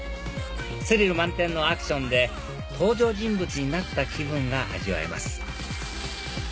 スリル満点のアクションで登場人物になった気分が味わえます